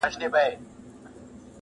سړې هم دومره وی